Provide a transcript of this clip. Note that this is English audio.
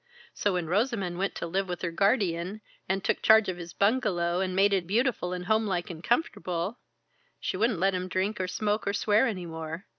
So when Rosamond went to live with her guardian, and took charge of his bungalow and made it beautiful and homelike and comfortable she wouldn't let him drink or smoke or swear any more.